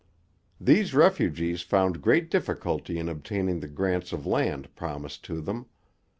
These refugees found great difficulty in obtaining the grants of land promised to them.